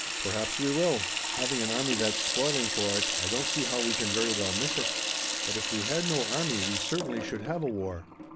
"Perhaps we will. Having an army that's spoiling for it, I don't see how we can very well miss it." "But if we had no army we certainly should have a war."